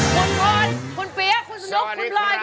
คุณพลคุณเปี๊ยกคุณสุนุกคุณปลาย